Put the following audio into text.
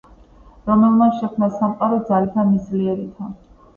რომელმან შექმნა სამყარო ძალითა მით ძლიერითა